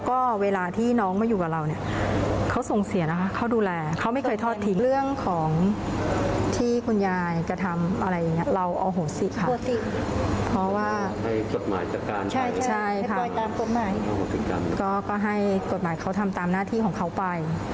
ก็ให้กฎหมายเขาทำตามหน้าที่ของเขาไป